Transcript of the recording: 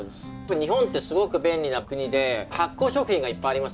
日本ってすごく便利な国で発酵食品がいっぱいありますよね。